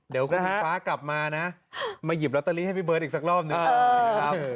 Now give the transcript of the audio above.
เดี๋ยวคุณพี่ฟ้ากลับมานะมาหยิบลอตเตอรี่ให้พี่เบิร์ตอีกสักรอบหนึ่งนะครับ